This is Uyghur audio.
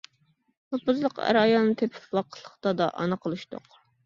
نوپۇزلۇق ئەر-ئايالنى تېپىپ ۋاقىتلىق دادا، ئانا قىلىشتۇق.